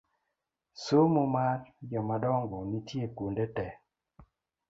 Somo mar jomadongo nitie kuonde te